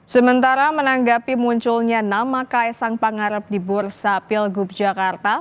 sementara menanggapi munculnya nama kaisang pangarep di bursa pilgub jakarta